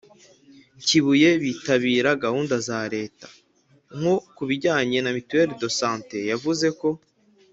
kibuye bitabira gahunda za leta. nko ku bijyanye na mutuelle de santé, yavuze ko